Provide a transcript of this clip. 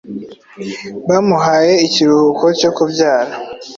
bamuhaye ikruhuko cyo kubyara,